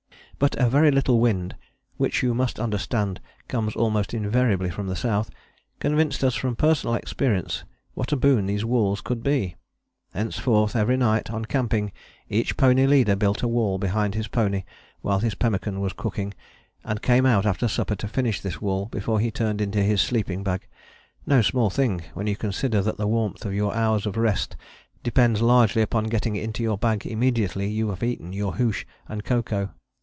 But a very little wind (which you must understand comes almost invariably from the south) convinced us from personal experience what a boon these walls could be. Henceforward every night on camping each pony leader built a wall behind his pony while his pemmican was cooking, and came out after supper to finish this wall before he turned in to his sleeping bag no small thing when you consider that the warmth of your hours of rest depends largely upon getting into your bag immediately you have eaten your hoosh and cocoa.